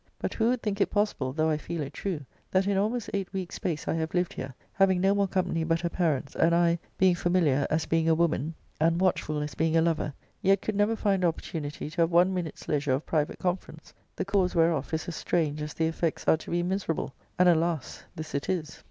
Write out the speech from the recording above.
But who would think it possible, though I feel it true, that in almost eight weeks' space I have lived here, having no more company but her parents, and I, being familiar, as being a woman, and watchful, as being a lover, yet could never find opportunity to have one minute's leisure of private con ference, the cause whereof is as strange as the effects are to me miserable? And, alas ! this it is.